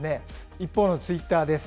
一方のツイッターです。